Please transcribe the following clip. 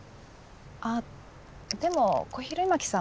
あっでも小比類巻さん